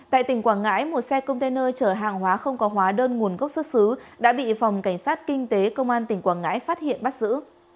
tại tỉnh quảng ngãi một xe container chở hàng hóa không có hóa đơn nguồn gốc xuất xứ đã bị phòng cảnh sát kinh tế công an tỉnh quảng ngãi phát hiện bắt giữ